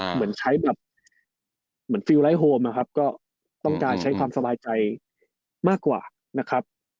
เหมือนใช้หลายห้มนะครับก็ต้องการใช้ความสบายใจมากกว่านะครับ